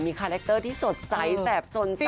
มีคาแรคเตอร์ที่สดใสแบบสนส้า